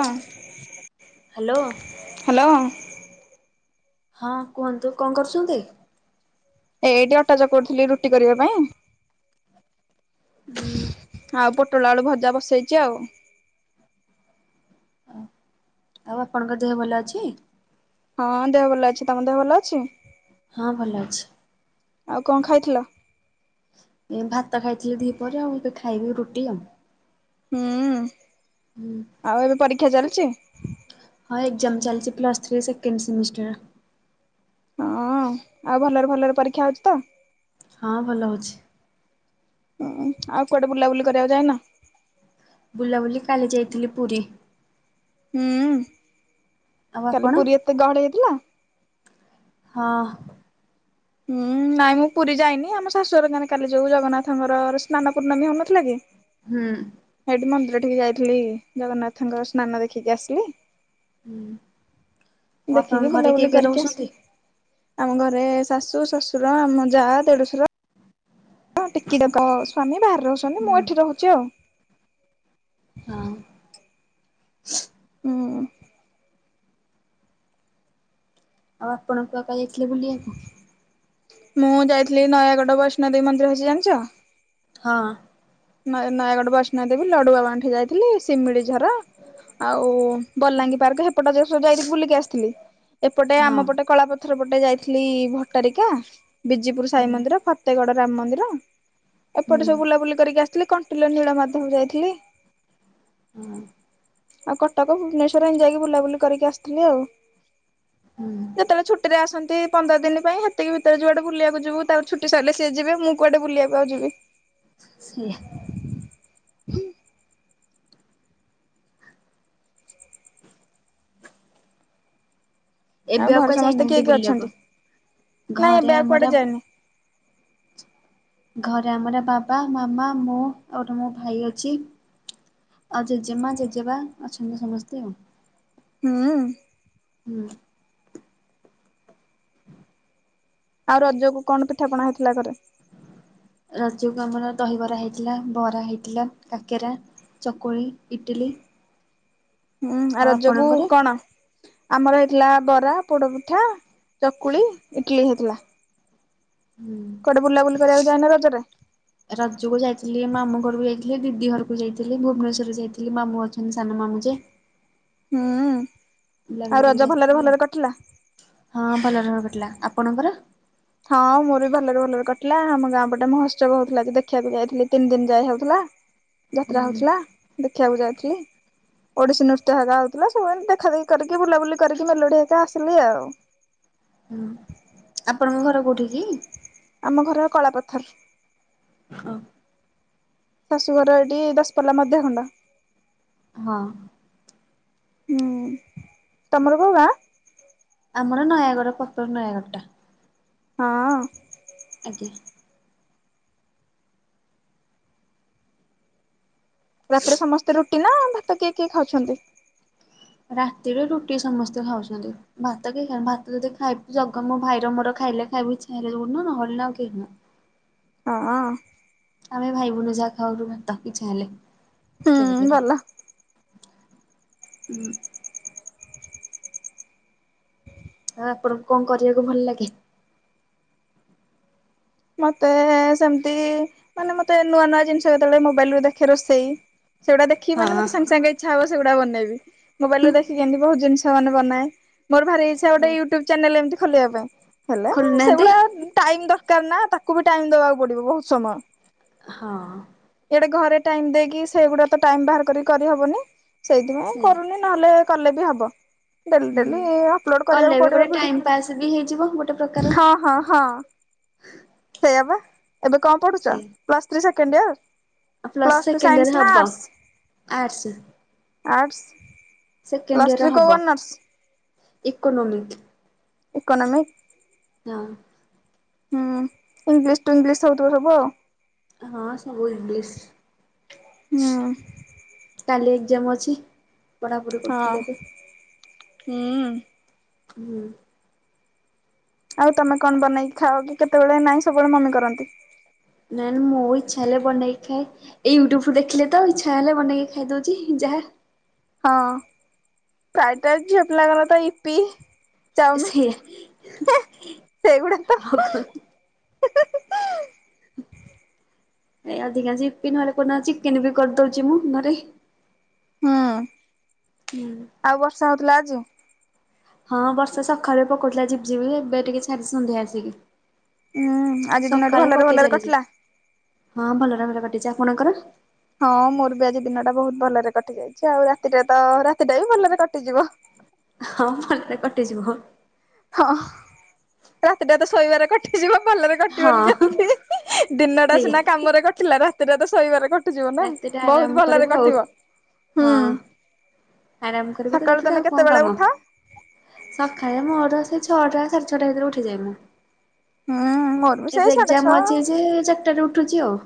ଅଁ hello hello. ହଁ କୁହନ୍ତୁ କଁ କରୁଚନ୍ତି? ଏଇଟି ଅଟା ଚକୁଡୁ ଥିଲି ରୁଟି କରିବା ପାଇଁ। ହୁଁ। ଆଉ ପୋଟଳ ଆଳୁ ଭଜା ବସେଇଚି ଆଉ। ଆଉ ଆପଣଙ୍କ ଦେହ ଭଲ ଅଛି? ହଁ ଦେହ ଭଲ ଅଛି ତମ ଦେହ ଭଲ ଅଛି? ହଁ ଭଲ ଅଛି‌। ଆଉ କଁ ଖାଇଥିଲ? ଏ ଭାତ ଖାଇଥିଲି ଧି ପରେ ଆଉ ଏବେ ଖାଇବି ରୁଟି ଆଉ। ଉୁଁ ହୁଁ ଆଉ ଏବେ ପରୀକ୍ଷା ଚାଲଚି? ହଁ ଏକ୍ଜାମ୍ ଚାଲିଚି ପ୍ଲସ ଥ୍ରୀ ସେକେଣ୍ଡ ସେମିଷ୍ଟା। ଅଁ ଆଉ ଭଲରେ ଭଲରେ ପରୀକ୍ଷା ହଉଛି ତ? ହଁ ଭଲ ହଉଚି। ଉୁଁ ଆଉ କୁଆଡେ ବୁଲାବୁଲି କରିଆକୁ ଯାଇନ? ବୁଲାବୁଲି କାଲି ଯାଇଥିଲି ପୁରୀ। ଉୁଁ ଆଉ କାଲି ଆପଣ? ପୁରୀ ଏତେ ଗହଳି ହେଇତିଲା? ହଁ। ଉୁଁ ନାଇଁ ମୁଁ ପୁରୀ ଯାଇନି ଆମ ଶାଶୁଅର ଗାଁ ରେ କାଲି ଯୋଉ ଜଗନ୍ନାଥଙ୍କର ସ୍ନାନ ପୂର୍ଣ୍ଣମୀ ହଉନଥିଲା କି। ହୁଁ। ହେଇଠି ମନ୍ଦିର ଟିକେ ଯାଇଥିଲି ଜଗନ୍ନାଥଙ୍କ ସ୍ନାନ ଦେଖିକି ଆସିଲି। ହୁଁ। ଆଉ ଆପଣଙ୍କ ଦେଖିକି ଘରେ ବୁଲା କିଏ ବୁଲି କିଏ କରକି ଆସି ରହୁଛନ୍ତି? ଆମ ଘରେ ଶାଶୁ, ଶଶୁର ଆମ ଯା, ଦେଢୁଶୁର ଅଁ ଟିକିଟକ ସ୍ୱାମୀ ବାହାରେ ଅଛନି ମୁଁ ହୁଁ ଏଠି ରହୁଚି ଆଉ। ଆଁ। ଉୁଁ। ଆଉ ଆପଣତ କାଇ [unintelligible] ମୁଁ ଯାଇଥିଲି ନୟାଗଡ ବୈଷ୍ଣ ଦେବୀ ମନ୍ଦିର ଅଛି ଜାନ୍‌ଚ? ହଁ। ନୟାଗଡ ବୈଷ୍ଣ ଦେବୀ, ଲଡୁଆ ବାଣ୍ଠି ଯାଇଥିଲି ଶିମିଳି ଝର। ଆଉ ବଲାଙ୍ଗୀ ପାର୍କ ସେପଟ ଯୋଉ ସ ଯାଇକି ବୁଲିକି ଆସିଥିଲି ଏପଟେ ହଁ ଆମ ପଟେ କଳାପ ଥର ପଟେ ଯାଇଥିଲି ଭଟାରିକା। ବିଜିପୁରୁ ସାଇ ହୁଁ ମନ୍ଦିର, ଫତେଗଡ ରାମ ମନ୍ଦିର ଏପଟେ ହୁଁ ସବୁ ବୁଲାବୁଲି କରିକି ଆସ୍ ଥିଲି କଣ୍ଟିଲ ନୀଳ ମାଧ୍ୟମ ଯାଇଥିଲି। ହଁ। ଆଉ କଟକ ଭୁବନେଶ୍ୱର ଆ ଯାଇକି ବୁଲାବୁଲି କରିକି ଆସିଥିଲି ଆଉ। ହୁଁ। ଯେତେବେଳେ ଛୁଟିରେ ଆସନ୍ତି ପନ୍ଦର ଦିନ ପାଇଁ ହେତିକି ଭିତରେ ଯୁଆଟେ ବୁଲିବାକୁ ଯିବୁ ତା ଛୁଟି ସରିଲେ ସିଏ ଯିବେ ମୁଁ। କୁଆଡେ ବୁଲିବାକୁ ଆଉ ଯିବି। ସେୟା। ହୁଁ। ଆଉ ଏବେ ଘରେ କୁଆ ସମସ୍ତେ କିଏ ଯାଇନାହାନ୍ତି କିଏ ବୁଲିବାକୁ? ଅଛନ୍ତି ନାଇଁ ଘରେ ଏବେ ଆଉ ଆମର କୁଆଡେ ଯାଇନି। ଘରେ ଆମର ବାବା ମାମା ମୁଁ ଆଉ ଗୋଟେ ମୋ ଭାଇ ଅଛି। ଆଉ ଜେଜେମା ଜେଜେବା ଅଛନ୍ତି ସମସ୍ତେ ଆଉ। ହୁଁ। ହୁଁ। ଆଉ ରଜ କୁ କଣ ପିଠା ପଣା ହୋଉଥିଲା ଘରେ। ରଜ କୁ ଆମର ଦହିବରା ହେଇଥିଲା ବରା ହେଇଥିଲା କାକେରା। ଚକୁଳି ଇଟିଲି। ହୁଁ ଆ ଆଉ ରଜକୁ ଆପଣଙ୍କର? କଣ। ଆମର ହେଇଥିଲା ବରା, ପୋଡପିଠା, ଚକୁଳି, ଇଟିଲିି ହେଇଥିଲା। ହୁଁ କୁଆଡେ ବୁଲାବୁଲି କରିବାକୁ ଯାଇନ ରଜରେ। ରଜକୁ ଯାଇଥିଲି ମାମୁଁ ଘରକୁ ଯାଇଥିଲି ଦିଦି ଘରକୁ ଯାଇଥିଲି ଭୁବନେଶ୍ଵର ଯାଇଥିଲି ମାମୁଁ ଅଛନ୍ତି ସାନ ମାମୁଁ ଯେ। ହୁଁ ବୁଲାବୁଲି ଆଉ କରିକି ରଜ ଭଲରେ ଆସିଥିଲି ଆଉ। ଭଲରେ କଟିଲା। ହଁ ଭଲରେ ଭଲରେ କଟିଲା ଆପଣଙ୍କର। ହଁ ମୋର ବି ଭଲରେ ଭଲରେ କଟିଲା ଆମ ଗାଁ ପଟେ ମହୋତ୍ସବ ହଉଥିଲା କି ଦେଖିବାକୁ ଯାଇଥିଲି ତିନି ଦିନ ଯାଏ ହୋଉଥିଲା। ହୁଁ ଯାତ୍ରା ହୋଉଥିଲା ଦେଖିବାକୁ ଯାଉଥିଲି। ଓଡ଼ିଶୀ ନୃତ୍ୟ ହେରା ହୋଉଥିଲା ସବୁ ଦେଖା ଦେଖି କରିକି ବୁଲାବୁଲି କରିକି ମେଲୋଡି ହେକା ଆସିଲି ଆଉ। ହୁଁ ଆପଣଙ୍କ ଘର କୋଉଠି କି। ଆମ ଘର କଳାପଥର। ହଁ। ଶାଶୁଘର ଏଠି ଦଶପଲ୍ଲା ମଧ୍ୟ ଖଣ୍ଡ। ହଁ। ହୁଁ ତମର କୋଉ ଗାଁ। ଆମର ନୟାଗଡ଼ ପ୍ରପର୍ ନୟାଗଡ଼ ଟା। ହଁ। ଆଜ୍ଞା। ରାତିରେ ସମସ୍ତେ ରୁଟି ନା ଭାତ କିଏ କିଏ ଖାଉଛନ୍ତି। ରାତିରେ ରୁଟି ସମସ୍ତେ ଖାଉଛନ୍ତି। ଭାତ କେହି ଖାଇବୁନୁ ଭାତ ଯଦି ଖାଇବୁ ଜଗା ମୋ ଭାଇ ମୋର ଖାଇଲେ ଖାଇବୁ ଇଛା ହେଲେ ଯୋଉଦିନ ନହଲେ ନା ଆଉ କେହି ନୁହଁ। ହଁ। ଆମେ ଭାଇ ଭଉଣୀ ଯାହା ଖାଉରୁ ଭାତ ଇଚ୍ଛା ହେଲେ କେବେ ହୁଁ କେବେ। ଭଲ। ହୁଁ। ଆଉ ଆପଣଙ୍କୁ କଣ କରିବାକୁ ଭଲ ଲାଗେ। ମତେ ସେମିତି ମାନେ ମତେ ନୂଆ ନୂଆ ଜିନିଷ କେତେବେଳେ ମୋବାଇଲୁ ଦେଖି ରୋଷେଇ। ସେଗୁଡା ଦେଖି ମାନେ ମତେ ସାଙ୍ଗେ ସାଙ୍ଗେ ଇଚ୍ଛା ହବ ସେଗୁଡା ବନେଇବି ମୋବାଇଲ୍ ରୁ ଦେଖିକି ଏମିତି ବହୁତ୍ ଜିନିଷ। ମାନେ ବନାଏ ମୋର ଭାରି ଇଛା ଗୋଟେ ୟୁଟ୍ୟୁବ୍ ଚ୍ୟାନେଲ୍ ଏମିତି ଖୋଲିବା ପାଇଁ। ହେଲେ ଖୋଲୁନାହାନ୍ତି ସେଗୁଡା ଟାଇମ୍ ଦରକାର ନା ତାକୁ ବି ଟାଇମ୍ ଦବାକୁ ପଡିବ ବହୁତ୍ ସମୟ। ହଁ। ଏଡ଼େ ଘରେ ଟାଇମ୍ ଦେଇକି ସେଇଗୁଡ଼ା ତ ଟାଇମ୍ ବାହାର କରିକି କରିହବନି ସେଇଥିପାଇଁ ସେଇଆ କରୁନି। ନହେଲେ, କଲେ ବି ହବ। ଡେଲି ହୁଁ। ଡେଲି ଅପଲୋଡ କଲେ କରିବାକୁ ବି ପଡିବ ଗୋଟେ ଭିଡି, ଟାଇମ ପାସ୍ ବି ହେଇଯିବ ଗୋଟେ ପ୍ରକାର ହଁ ହଁ ହଁ। ସେଇଆ ବା। ଏବେ କଣ ପଢୁଛ, ସେ plus three second year? Plus plus two second year science ନା ହବ arts? Arts arts. Second year ହବ। ଇକୋନୋମିକ। ଇକୋନମିକ୍? ହଁ। ହୁଁ। ଇଂଲିଶ ଟୁ ଇଂଲିଶ ହୋଉଥିବ ସବୁ ଆଉ। ହଁ ସବୁ ଇଂଲିଶ। ହଁ। କାଲି ଏକ୍ଜାମ ଅଛି। ପଢାପଢି ହଁ। କରୁଥିଲି ଏବେ ହୁଁ। ହୁଁ। ଆଉ ତମେ କଣ ବନେଇି ଖାଅ କି କେତେବେଳେ, ନାହିଁ ସବୁବେଳେ ମମି କରନ୍ତି? ନାଇଁ ମୋ ଇଚ୍ଛା ହେଲେ ବନେଇ ଖାଏ। ଏଇ ୟୁଟ୍ୟୁବ ରୁ ଦେଖିଲେ ତ, ଇଚ୍ଛା ହେଲେ ବନେଇକି ଖାଇ ଦଉଛି ଯାହା। ହଁ। ପ୍ରାଏ ଟାଇମ ଝିଆପିଲାଙ୍କର ତ ଇପ୍ପି। ସେଇଆ ଚାଉମିିନ। ହେଁ ସେଇଗୁଡା ତ। ଆଉ କଣ ଏଇ ଅଧିକା୍ଶ ୟୀପ୍ ନହେଲେ କୋଦିନ ଚିକେନ୍ ବି କରିଦଉଛି ମୁଁ ଘରେ। ହଁ। ହଁ। ଆଉ ବର୍ଷା ହଉଥିଲା ଆଜି? ହଁ ବର୍ଷ ସକାଳେୁ ପକଉଥିଲା ଝିପି ଝିପି ଏବେ ଟିକେ ଛାଡିଛି ସନ୍ଧ୍ୟା ଆସିକି। ହୁଁ ଆଜି ଦିନଟି ସକାଳୁ ଭଲରେ ପକେଇ ଭଲରେ ଚାଲିଛି। କଟିଲା ହଁ ଭଲରେ ଭଲ କଟିଛି, ଆପଣଙ୍କର? ହଁ ମୋର ବି ଆଜି ଦିନ ଟା ବହୁତ ଭଲରେ କଟି ଯାଇଛି। ଆଉ ରାତିଟା ତ, ରାତିଟା ବି ଭଲରେ କଟିଯିବ। ହଁ ଭଲରେ କଟିଯିବ। ହଁ। ରାତିଟା ତ ଶୋଇବାରେ କଟିଯିବ। ଭଲରେ କଟିବନି ହଁ କେମିତି, ଦିନଟା ସେଇଆ ସିନା କାମରେ କଟିଲା, ରାତିଟା ତ ଶୋଇବାରେ କଟି ଯିବ ନା। ରାତିଟା ଆରାମ ବହୁତ ଭଲରେ କରିବୁ ଆଉ। କଟିବ। ହୁଁ। ହଁ ଆରାମ କରିବୁ ତ ସକାଳୁ ରାତିରେ ଆଉ ତମେ କଣ କେତେବେଳେ କାମ। ଉଠ। ସକାଳେ ମୋର ସେଇ ଛଅଟା ସାଢେ ଛଅଟା ଭିତରେ ଉଠିଯାଏ ମୁଁ। ହୁଁ ମୋର ବି ସେଇ ଏବେ ସାଢେ ଏକ୍ଜାମ ଛଅ ଅଛି ଯେ ଚାରିଟାରେ ଉଠୁଛି ଆଉ।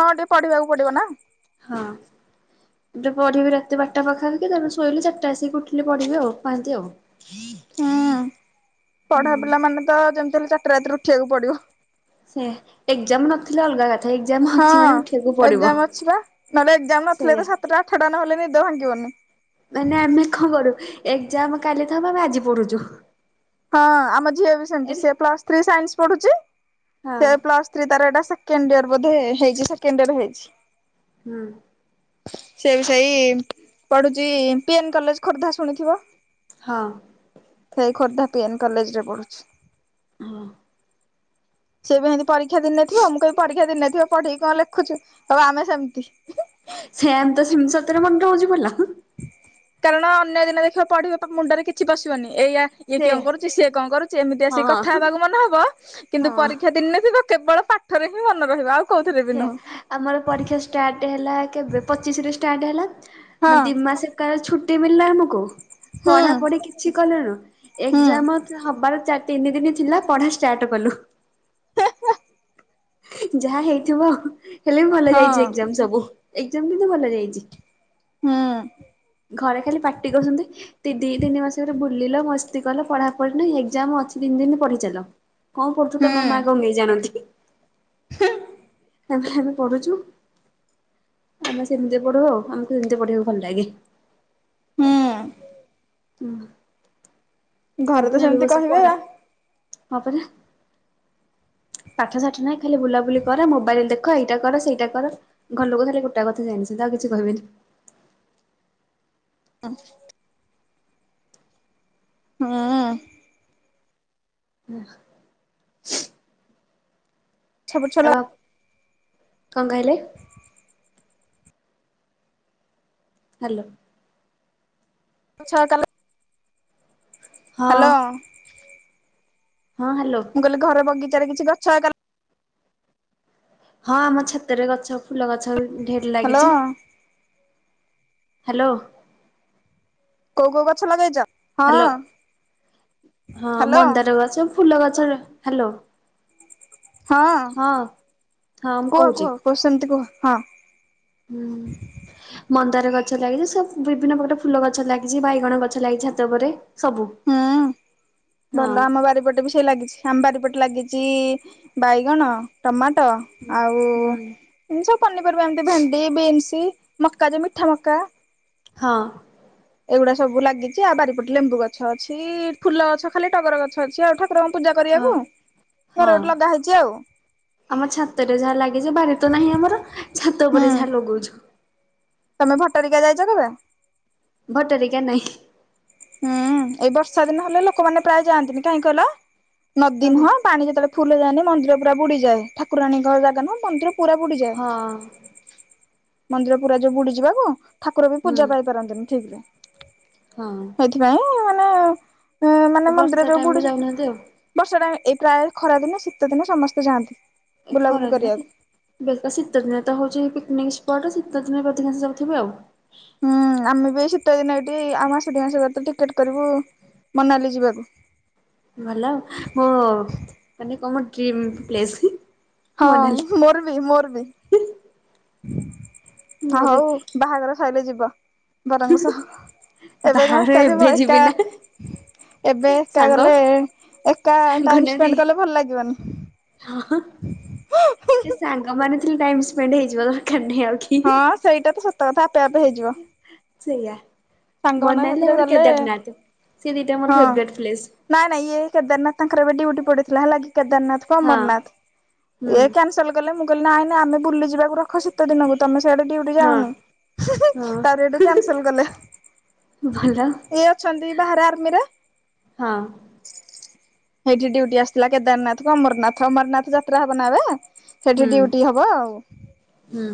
ହଁ ଟିକେ ପଢିବାକୁ ପଡିବ ନା। ହଁ। ଏବେ ପଢିବି ରାତି ବାରଟା ପାଖା ପାଖି ତାପରେ ଶୋଇଲେ ଚାରିଟା ଆସିକି ଉଠିଲି ପଢିବି ଆଉ, ପହାନ୍ତି ଆଉ। [unintelligible] ହୁଁ। ପଢା ହୁଁ ପିଲା ମାନେ ତ, ଯେମିତି ହେଲେ ଚାରିଟା ରାତିରେ ଉଠିବାକୁ ପଡିବ। ସେ ଏକ୍ଜାମ ନଥିଲେ ଅଲଗା କଥା। ଏକ୍ଜାମ ଅଛି ହଁ ମାନେ ଉଠିବାକୁ ପଡିବ ଏକ୍ଜାମ ଅଛି ବା, ନହେଲେ ଏକ୍ଜାମ ନଥିଲେ ସେଇଆ। ତ ସାତଟା ଆଠଟା ନହେଲେ ନିଦ ଭାଙ୍ଗିବନି। ମାନେ ଆମେ କଣ କରୁ, ଏକ୍ଜାମ କାଲି ଥିବ ଆମେ ଆଜି ପଢୁଛୁ। ହଁ ଆମ ଝିଅ ବି ସେମିତି, ଏରେ ସେ ପ୍ଲସ ଥ୍ରୀ ସାଇନ୍ସ ପଢୁଛି। ହଁ ସେ ପ୍ଲସ ଥ୍ରୀ ତାର ଏଇଟା ସେ କେଣ୍ଡ ୟର୍ ବୋଧେ ହେଇଛି। ସେକେଣ୍ଡ ୟର୍ ହେଇଛି। ହୁଁ। ସେ ବି ସେଇ, ପଢୁଛି ପିଏନ୍ କଲେଜ ଖୋର୍ଦ୍ଧା ଶୁଣିଥିବ। ହଁ ସେ ଖୋର୍ଦ୍ଧା ପି ଏନ୍ କଲେଜରେ ପଢ଼ୁଛି। ହଁ ସିଏ ବି ସେମିତି ପରୀକ୍ଷା ଦିନେ ଥିବ ମୁଁ କହେ ପରୀକ୍ଷା ଦିନେଥିବ ପଢେଇକି କଣ ଲେଖୁଛୁ କହିବ ଆମେ ସେମିତି। ସେମତି ସେମିତରେ ମନେ ରହୁଛି ଭଲ। କାରଣ ଅନ୍ୟ ଦିନ ଦେଖିବ ପଢ଼ିବ ମୁଣ୍ଡରେ କିଛି ପଶିବ ଏଇୟା ଇଏ ସେ କିଆଁ କରୁଛି ସିଏ କଣ କରୁଛି ଏମିତି ଆସିକି କଥା ହଁ। ହେବାକୁ ମନ ହବ। କିନ୍ତୁ ହଁ ପରୀକ୍ଷା ଦିନେ ଥିବ କେବଳ ପାଠରେ ହିଁ ମନ ରହିବ ଆଉ କୋଉଥିରେ ବି ନୁହଁ। ଆମର ପରୀକ୍ଷା ଷ୍ଟାର୍ଟ ହେଲା କେବେ ପଚିଶରେ ଷ୍ଟାର୍ଟ ହେଲା ହଁ ଦି ମାସେ ଖାଲି ଛୁଟି ମିଳିଲା ଆମକୁ ହୁଁ ପଢ଼ା ପଢ଼ି କିଛି କଲୁନୁ ହୁଁ ଏଗଜାମ ହବାର ଚାର ତିନି ଦିନ ଥିଲା ପଢ଼ା ଷ୍ଟାର୍ଟ କଲୁ। ଯାହା ହେଇଥିବ ହେଲେ ବି ଭଲ ହଁ ଯାଇଛି ଏକଜାମ୍ ସବୁ ଏକ୍ଜାମ କିନ୍ତୁ ଭଲ ଯାଇଚି। ହୁଁ ଘରେ ଖାଲି ପାଟି କରୁଛନ୍ତି ଦିଦି ତିନି ମାସରେ ବୁ ବୁଲିଲ ମସ୍ତି କଲ ପଢ଼ା ପଢ଼ି ନାଇ ଏଜାମ ଅଛି ତିନ ଦିନ ପଢ଼ି ଚାଲ। କଣ ପଢ଼ୁଚ ତମ ମା ଗଙ୍ଗେଇ ଜାଣନ୍ତି। ହୁଁ। ତା ଆମେ ପଢ଼ୁଛୁ ଆମେ ସେମିତି ପଢ଼ୁ ଆଉ ଆମକୁ ସେମତି ପଢ଼ିବାକୁ ଭଲ ଲାଗେ। ହୁଁ ହୁଁ ଘରେ ତ [unintelligible] ସେମିତି ବସି କହିବେ ପଡ଼େ ଆ ବାପରେ ପାଠ ସାଠ ନାହିଁ ଖାଲି ବୁଲାବୁଲି କର ମୋବାଇଲ ଦେଖ ଏଇଟା କର ସେଇଟା କର। ଘର ଲୋକ ଖାଲି ଗୋଟା କଥା ଜାଣିଛନ୍ତି ଆଉ କିଛି କହିବେନି। [unintelligible] [inaudible] ହୁଁ ହୁଁ। [inaudible] ଛୋଟ ଛୋଟ ଆଉ କଣ କହିଲେ? ହ୍ୟାଲୋ। ଛଅ କମେ। [unintelligible] ହଁ ହ୍ୟାଲୋ। ହଁ ହାଲୋ। ମୁଁ କହିଲି ଘର ବିଗିଚାରେ କିଛି ଗଛ ଲଗା ହଁ ଆମ ଛାତରେ ଗଛ ଫୁଲ ଗଛ ବି ଢେର ହ୍ୟାଲୋ ଲାଗିଚି। ହ୍ୟାଲୋ। କୋଉ କୋଉ ଗଛ ଲଗେଇଚ? ହ୍ୟାଲୋ ହଁ ହ୍ୟାଲୋ ମନ୍ଦାର ଗଛ ଫୁଲ ଗଛ ହ୍ୟାଲୋ ହଁ ହଁ ମୁଁ କୁହ କହୁଛି କୁହ କୁହ ସେମିତି କୁହ ହଁ। ହୁଁ ମନ୍ଦାର ଗଛ ଲାଗିଚି ସବୁ ବିଭିନ୍ନ ପ୍ରକାର ଫୁଲ ଗଛ ଲାଗିଚି ବାଇଗଣ ଗଛ ଲାଗିଚି ଛାତ ଉପରେ। ସବୁ ହୁଁ ହଁ ଭଲ ଆମ ବାରିପଟେ ବି ଲାଗିଛି ଆମ ବାରି ପଟେ ଲାଗିଚି ବାଇଗଣ, ଟମାଟୋ ଆଉ ହଁ ଏନ୍ତୀ ସବୁ ପନିପରିବା ଏମିତି ଭେଣ୍ଡି, ବିନ୍ସ, ମକା ଯୋଉ ମିଠା ମକା। ହଁ ଏଗୁଡ଼ାକ ସବୁ ଲାଗିଚି ଆଉ ବାରିପଟେ ଲେମ୍ବୁ ଗଛ ଅଛି ଫୁଲ ଗଛ ଖାଲି ଟଗର ଗଛ ଅଛି ଆଉ ଠ କୁରଙ୍କ ପୂଜା କରିବାକୁ ହଁ ଘରେ ହଁ। ଗୋଟେ ଲଗା ହେଇଚି ଆଉ। ଆମ ଛାତରେ ଯାହା ଲାଗିଚି ବାର ତ ନାହିଁ ଆମର ଛାତ ହୁଁ ଉପରେ ଯାହା ଲଗଉଛୁ। ତମେ ଭଟ୍ଟାରିକା ଯାଇଚ କେବେ? ଭଟ୍ଟାରିକା ନାଇ। ହୁଁ ଏଇ ବର୍ଷା ଦିନ ହେଲେ ଲୋକମାନେ ପ୍ରାୟ ଯାଆନ୍ତିନି କାହିଁ କିହଲ ନଦୀ ହଁ ନୁହଁ ପାଣି ଯେତେବେଳେ ଫୁଲ ହେଇଯାଏନି ମନ୍ଦିର ପୁରା ବୁଡିଯାଏ। ଠାକୁରାଣୀଙ୍କର ଜାଗା ନା ମନ୍ଦିର ପୁରା ବୁଡିଯାଏ। ହୁଁ ମନ୍ଦିର ପୁରା ଯୋଉ ବୁଡି ଯିବାକୁ ଠାକୁର ବି ପୂଜା ପାଇ ପାରନ୍ତିନି ଠିକରେ। ହଁ। ସେଥିପାଇଁ ମାନେ ଏଁ ଏ ମାନେ ବର୍ଷା ମନ୍ଦିର ଯୋଉ ଟାଇମ କୁ ଯାଉନାହାନ୍ତି ବୁଡ଼ିଯାଏ ଆଉ ବର୍ଷା ଟାଇମ୍। ଏଇ ପ୍ରାୟ ଖରା ଦିନେ ଶୀତ ଦିନେ ସମସ୍ତେ ଯାଆନ୍ତି। ଏଇ ଖରା ବୁଲାବୁଲି ଦିନେ ଶୀ କରିବାକୁ ବେଶୀ ତ ଶୀତ ଦିନେ ତ ହଉଛି ପିକନିକ ସ୍ପଟ। ଶୀତ ଦିନେ ଏବେ ଅଧିକାଂଶ ଯାଉଥିବେ ଆଉ। ହୁଁ ଆମେ ବି ଏଇ ଶୀତ ଦିନେ ଏଇଠି ଆଉ ମାସେ ଦି ମାସେ ଗଲେ ତ ଟିକେଟ କରିବୁ ମନାଲି ଯିବାକୁ। ଭଲ ଆଉ। ମୋ ମାନେ କଣ ମୋ ଡ୍ରିମ୍ ପ୍ଲେସ୍। ହଁ ମୋର ବି ମୋର ବି। ହଁ ମୋର ହଉ ବାହାଘର ସଇଲେ ଯିବ। ବରଙ୍କ ସହ। ଏବେ କାଇଁ ବାହାଘର ଏକା ଯିବ ଏବେ ଏକା ଯିବି ନା ଏବେ ଏକା ସାଙ୍ଗ ଗଲେ ଏକା ସାଙ୍ଗ ଟାଇମ ନାହାନ୍ତି। ସ୍ପେଣ୍ଡ କଲେ ଭଲ ଲାଗିବନି। ହଁ ହଁ ଏ ସାଙ୍ଗମାନେ ଥିଲେ ଟାଇମ ସ୍ପେଣ୍ଡ ହେଇଯିବ ଦରକାର ନାହିଁ ଆଉ କି ହଁ ସେଇଟା ତ ସତ କଥା ଆପେ ଆପେ ହେଇଯିବ। ସେଇଆା ସାଙ୍ଗମାନଙ୍କ ମନାଲି ଆଉ ସାଥିରେ ଗୋଟେ ଗଲେ କେଦାରନାଥ ସିଏ ଦିଇଟା ମୋର ହଁ ଫେବରାଇଟ ପ୍ଲେସ୍। ନାଇଁ ନାଇଁ ଇଏ କେଦାରନାଥ ତାଙ୍କର ଏବେ ଡ୍ୟୁଟି ପଡିଥିଲା ହେଲା କି କେଦାରନାଥକୁ ହଁ ଅମରନାଥ। ହୁଁ ଇଏ କ୍ୟାନ୍ସ ଲ କଲେ। ମୁଁ କହିଲି ନାଇଁ ନାଁ ଆମେ ବୁଲିିଯିବାକୁ ରଖ ଶୀ ତ ଦିନକୁ ତମେ ସିଆଡେ ଡ୍ୟୁଟି ହଁ ଯାଅନି। ତା ହଁ ପରେ ସେଇଠୁ କ୍ୟାନସଲ କଲେ। ଭଲ ଇଏ ଅଛନ୍ତି ବାହାରେ ଆର୍ମିରେ। ହଁ ସେଇଠି ଡ୍ୟୁଟି ଆସିଥିଲା କେଦାରନାଥକୁ ଅମରନାଥ। ଅମରନାଥ ଯାତ୍ରା ହବ ନା ଏବେ। ସେଇଠି ହୁଁ ଡ୍ୟୁଟି ହବ ଆଉ। ହୁଁ।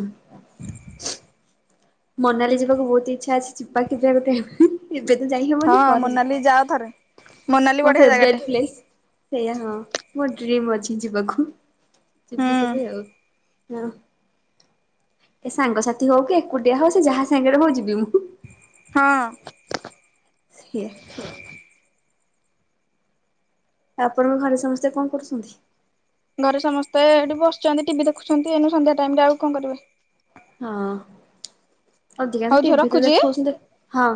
ମନାଲି ଯିବାକୁ ବହୁତ ଇଚ୍ଛା ଅଛି। ଯିବା କେବେ ଗୋଟେ ଆଉ। ଏବେ ତ ହଁ ଯାଇହବନି ପରେ ଯି [unintelligible] ଯାଅ ଥରେ। ମୋନାଲି ମୋ ବଢିଆ ଫେବରାଇଟ୍ ଜାଗାଟେ। ପ୍ଲେସ୍। ସେଇଆ ହଁ। ମୋର ଡ୍ରିମ୍ ଅଛି ଯିବାକୁ। ଯିବି କେବେ ହୁଁ ଆଉ। ହଁ ଏ ସାଙ୍ଗସାଥି ହଉ କି ଏକୁଟିଆ ହଉ ସେ ଯାହା ସାଙ୍ଗେରେ ହଉ ଯିବି ମୁଁ। ହଁ। ସେଇଆ। ଆପଣଙ୍କ ଘରେ ସମସ୍ତେ କଣ କରୁଛନ୍ତି? ଘରେ ସମସ୍ତେ ଏଇଠି ବସିଛନ୍ତି, ଟିଭି ଦେଖୁଛନ୍ତି ଏଇନୁ ସନ୍ଧ୍ୟା ଟାଇମରେ ଆଉ କଣ କରିବେ। ହଁ ଅଧିକାଂଶ ହଉ ଝିଅ ଟିଭି ତ ରଖୁଛି। ଦେଖୁଛନ୍ତି ଦେଖ୍ ହଁ।